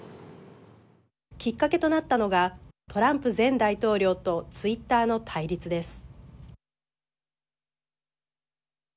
きっかけとなったのがトランプ前大統領とツイッターの対立です。